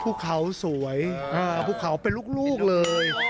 พวกเขาสวยพวกเขาเป็นลุขเลย